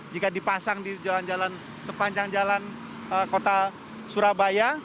jika dipasang di jalan jalan sepanjang jalan kota surabaya